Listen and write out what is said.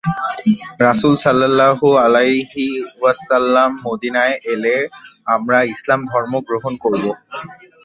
রাসূল সাল্লাল্লাহু আলাইহি ওয়াসাল্লাম মদীনায় এলে আমরা ইসলাম ধর্ম গ্রহণ করব।